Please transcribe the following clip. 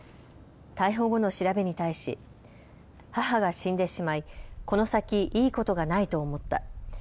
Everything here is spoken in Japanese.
逮捕後の調べに対し母が死んでしまいこの先いいことがないと思った。